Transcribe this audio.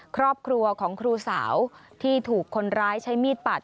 ครอบครัวของครูสาวที่ถูกคนร้ายใช้มีดปัด